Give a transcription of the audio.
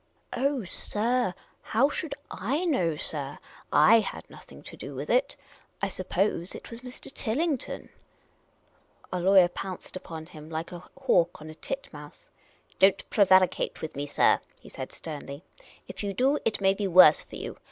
" Oh, sir, how should /know, sir? / had nothing to do with it. I suppose — it was Mr. Tilling ton." " YOU WISHKI) TO SEK ME, SIR?" Our lawyer pounced upon him like a hawk on a titmouse. " Don't prevaricate with me, sir," he said, sternly. " If you do, it may be worse for you.